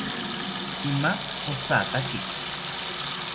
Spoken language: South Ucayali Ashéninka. Shima pojataki